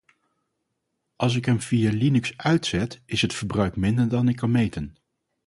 Als ik hem via Linux uitzet is het verbruik minder dan ik kan meten.